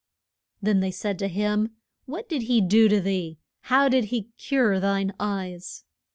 Then they said to him, What did he do to thee? How did he cure thine eyes?